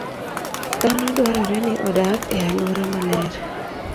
Dhano dwarore ni odag e alwora maler.